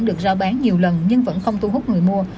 được rao bán nhiều lần nhưng vẫn không thu hút người mua